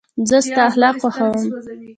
زه ستا اخلاق خوښوم.